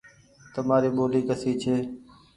تمآري ٻولي ڪسي ڇي ۔